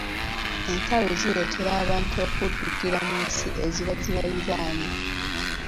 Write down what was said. Entalo zireetera abantu akuddukira mu nsi eziba zibaliraanye.